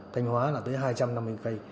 thanh hóa là tới hai trăm năm mươi cây